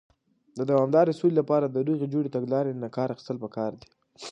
د دوامدارې سولې لپاره، د روغې جوړې تګلارې نۀ کار اخيستل پکار دی.